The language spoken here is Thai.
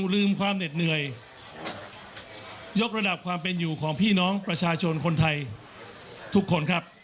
ลืมความเหน็ดเหนื่อยยกระดับความเป็นอยู่ของพี่น้องประชาชนคนไทยทุกคนครับ